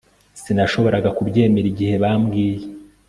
Sinashoboraga kubyemera igihe bambwiye